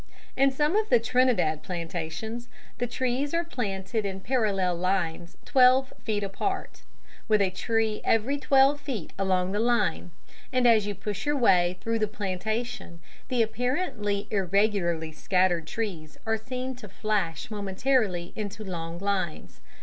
In some of the Trinidad plantations the trees are planted in parallel lines twelve feet apart, with a tree every twelve feet along the line; and as you push your way through the plantation the apparently irregularly scattered trees are seen to flash momentarily into long lines.